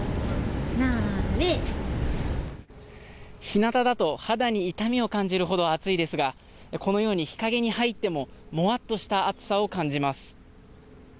日向だと肌に痛みを感じるほど暑いですが日陰に入ってももわっとした暑さを感じます。